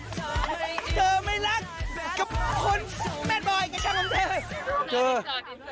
เธอไม่รักกับคนแม่ดบ่อยกันจังหรือเปล่าเธอ